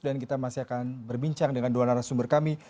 dan kita masih akan berbincang dengan dua narasumber kami